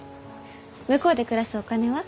向こうで暮らすお金は？